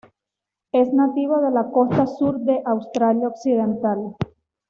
Es nativa de la costa sur de Australia Occidental.